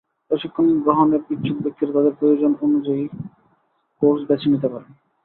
প্রশিক্ষণ গ্রহণে ইচ্ছুক ব্যক্তিরা তাঁদের প্রয়োজন অনুযায়ী কোর্স বেছে নিতে পারেন।